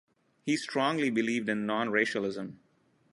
He strongly believed in non-racialism.